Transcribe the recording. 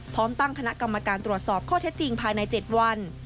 พร้อมตั้งคณะกรรมการตรวจสอบข้อเท็จจริงภายใน๗วัน